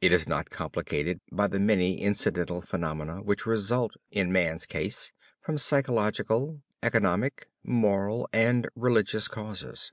It is not complicated by the many incidental phenomena which result, in man's case, from psychologic, economic, moral and religious causes.